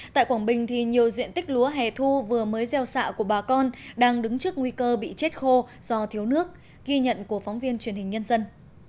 tại quảng bình nhiều diện tích lúa hẻ thu vừa mới gieo xạ của bà con đang đứng trước nguy cơ bị chết khô do thiếu nước ghi nhận của phóng viên truyền hình nhân dân